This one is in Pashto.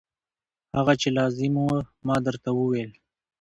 هغه چې لازم و ما درته وویل.